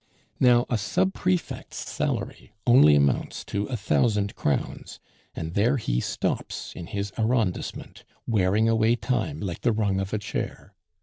"Now, a sub prefect's salary only amounts to a thousand crowns, and there he stops in his arrondissement, wearing away time like the rung of a chair.